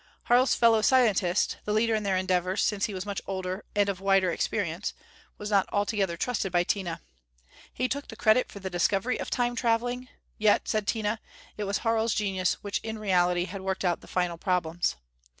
Harl's fellow scientist the leader in their endeavors, since he was much older and of wider experience was not altogether trusted by Tina. He took the credit for the discovery of Time traveling; yet, said Tina, it was Harl's genius which in reality had worked out the final problems.